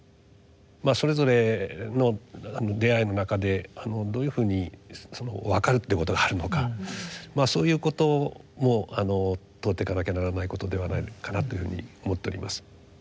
それぞれの出会いの中でどういうふうにわかるっていうことがあるのかそういうことも問うていかなきゃならないことではないかなというふうに思っております。